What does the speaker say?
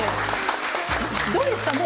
どうですか？